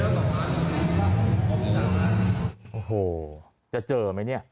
โอ้โหจะเจอไหมเนี่ย